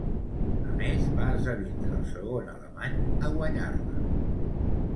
A més, va esdevindre el segon alemany a guanyar-la.